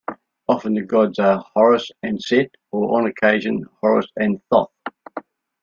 Often the gods are Horus and Set, or on occasion Horus and Thoth.